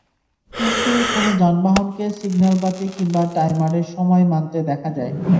কিন্তু কোনো যানবাহনকে সিগন্যাল বাতি কিংবা টাইমারের সময় মানতে দেখা যায়নি।